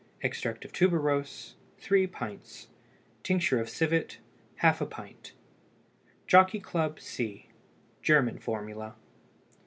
Extract of tuberose 3 pints. Tincture of civet ½ pint. JOCKEY CLUB, C (GERMAN FORMULA).